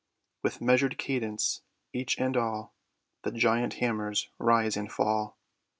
With measured cadence each and all The giant hammers rise and fall.